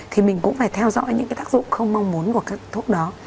thì mình cũng phải theo dõi những cái tác dụng không mong muốn của các thuốc đó